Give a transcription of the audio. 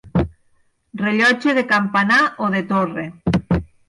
Rellotge de campanar o de torre.